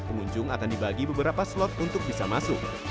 pengunjung akan dibagi beberapa slot untuk bisa masuk